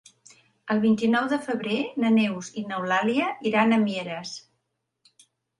El vint-i-nou de febrer na Neus i n'Eulàlia iran a Mieres.